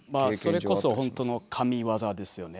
それこそ本当の神技ですよね。